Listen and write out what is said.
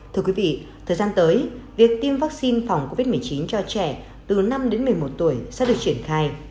thưa quý vị thời gian tới việc tiêm vaccine phòng covid một mươi chín cho trẻ từ năm đến một mươi một tuổi sẽ được triển khai